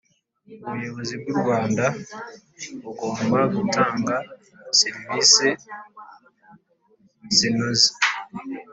Ubuyobozi bw u Rwanda bugomba gutanga serivisi zinoze